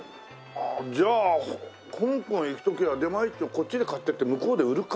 ああじゃあ香港行く時は出前一丁こっちで買っていって向こうで売るか。